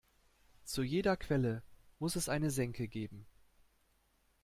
Zu jeder Quelle muss es eine Senke geben.